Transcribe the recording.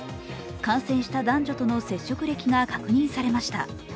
感染した男女との接触歴が確認されました。